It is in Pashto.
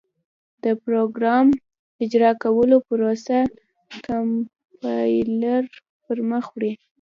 د پراګرام اجرا کولو پروسه کمپایلر پر مخ وړي.